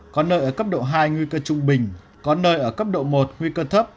có nơi ở cấp độ hai nguy cơ trung bình có nơi ở cấp độ một nguy cơ thấp